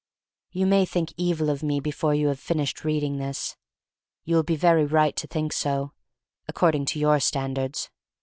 You may think evil of me before you have finished reading this. You will be very right to think so — according to your standards.